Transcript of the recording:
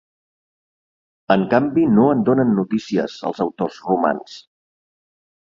En canvi no en donen notícies els autors romans.